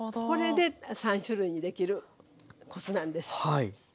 これで３種類にできるコツなんです。